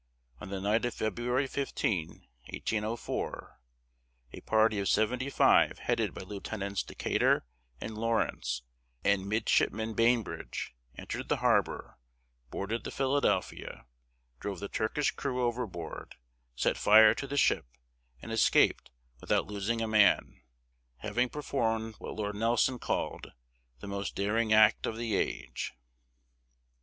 On the night of February 15, 1804, a party of seventy five headed by Lieutenants Decatur and Lawrence and Midshipman Bainbridge, entered the harbor, boarded the Philadelphia, drove the Turkish crew overboard, set fire to the ship, and escaped without losing a man, having performed what Lord Nelson called "the most daring act of the age."